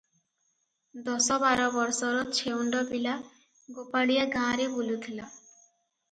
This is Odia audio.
ଦଶ ବାର ବର୍ଷର ଛେଉଣ୍ଡ ପିଲା ଗୋପାଳିଆ ଗାଁରେ ବୁଲୁଥିଲା ।